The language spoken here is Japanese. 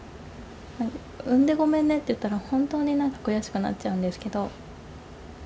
産んでごめんねって言ったら、本当になんか悔しくなっちゃうんですけど。